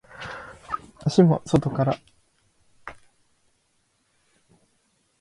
足も外から小外掛けをかけてきました。